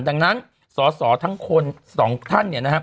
ดังนั้นสอสอทั้งคนสองท่าน